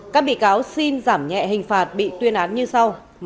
các bị cáo xin giảm nhẹ hình phạt bị tuyên án như sau